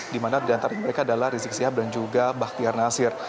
di mana di antara mereka adalah rizik sihab dan juga bahtiar nasir